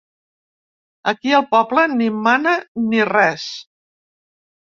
Aquí el poble ni mana ni res.